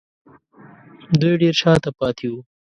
دوی ډېر شا ته پاتې وو